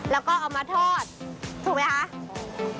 แล้วก็เอามาทอดถูกไหมคะ